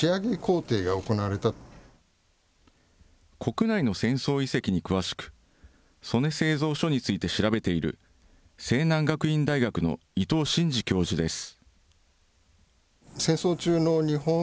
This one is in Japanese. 国内の戦争遺跡に詳しく、曽根製造所について調べている西南学院大学の伊藤慎二教授です。